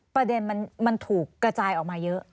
ประเด็นมันถูกกระจายออกมาเยอะ